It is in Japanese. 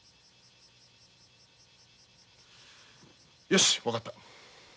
よし分かった。